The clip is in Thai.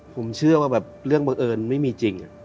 ผมเชื่อว่าแบบเรื่องบังเอิญไม่มีจริง